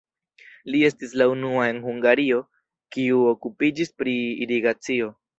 Li estis la unua en Hungario, kiu okupiĝis pri irigacio.